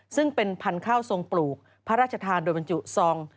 ซึ่งเป็นพันธุ์ข้าวทรงปลูกพระราชทานโดยบรรจุซอง